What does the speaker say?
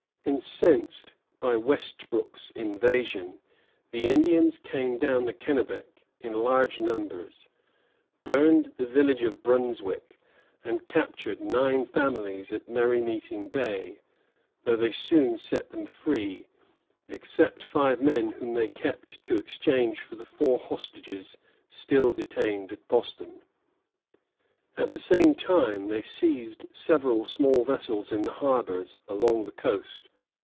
Incensed by Westbrook's invasion, the Indians came down the Kennebec in large numbers, burned the village of Brunswick, and captured nine families at Merry meeting Bay; though they soon set them free, except five men whom they kept to exchange for the four hostages still detained at Boston. At the same time they seized several small vessels in the harbors along the coast.